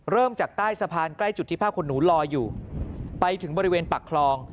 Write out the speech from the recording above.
เริ่มจากใต้สะพานใกล้จุดที่ผ้าขนหนูลอยอยู่ไปถึงบริเวณปากคลอง